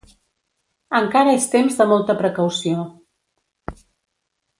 Encara és temps de molta precaució.